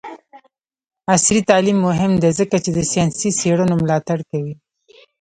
عصري تعلیم مهم دی ځکه چې د ساینسي څیړنو ملاتړ کوي.